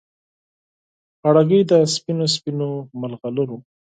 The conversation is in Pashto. غاړګۍ د سپینو، سپینو مرغلرو